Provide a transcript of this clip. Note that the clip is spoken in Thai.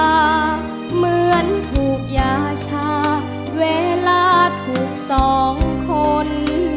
เหมือนถูกยาชาเวลาถูกสองคน